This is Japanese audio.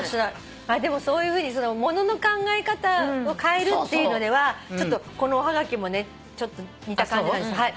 でもそういうふうに物の考え方を変えるっていうのではこのおはがきもねちょっと似た感じなんです。